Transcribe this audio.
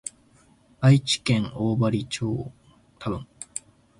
愛知県大治町